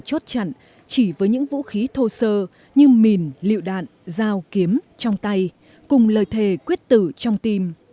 chốt chặn chỉ với những vũ khí thô sơ như mìn lựu đạn dao kiếm trong tay cùng lời thề quyết tử trong tim